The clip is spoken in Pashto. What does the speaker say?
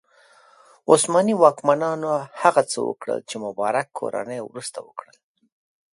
عثماني واکمنانو هغه څه وکړل چې مبارک کورنۍ وروسته وکړل.